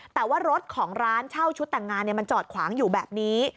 แต่ว่ารถของร้านเช่าชุดแต่งงานมันจอดขวางอยู่แบบนี้